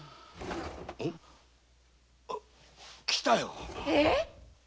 おっ来たよ！